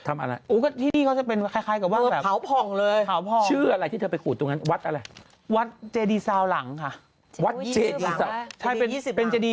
ไม่มีที่แล้วคุณแม่ต้องไปที่ตรงนี้